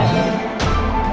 baik sampai hari ini